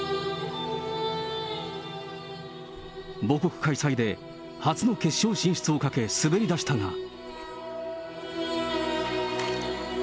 母国開催で初の決勝進出をかけ滑りだしたが。